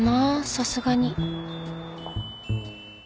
さすがに。